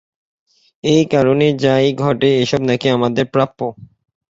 একারণে যাই ঘটে এসব নাকি আমাদের প্রাপ্য।